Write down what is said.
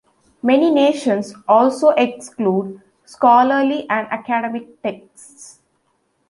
Many nations also exclude scholarly and academic texts.